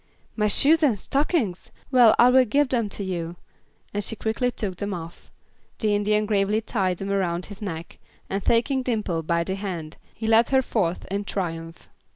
"My shoes and stockings? Well, I will give them to you," and she quickly took them off. The Indian gravely tied them around his neck, and taking Dimple by the hand he led her forth in triumph.